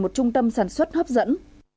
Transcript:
một trung tâm sản xuất hấp dẫn